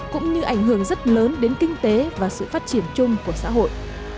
cũng như ảnh hưởng rất lớn đến kinh tế và sự phát triển chung của xã hội